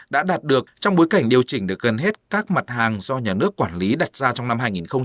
đã đạt được trong bối cảnh điều chỉnh được gần hết các mặt hàng do nhà nước quản lý đặt ra trong năm hai nghìn một mươi tám